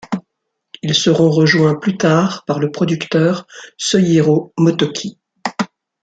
Ils seront rejoints plus tard par le producteur Sōjirō Motoki.